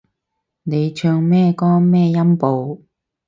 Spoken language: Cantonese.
你唱咩歌咩音部